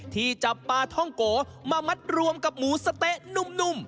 ที่จับปลาท่องโกมามัดรวมกับหมูสะเต๊ะนุ่ม